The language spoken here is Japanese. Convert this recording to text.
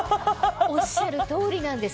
おっしゃる通りなんです。